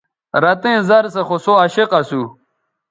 رتئیں زَر سو خو سوعشق اسُو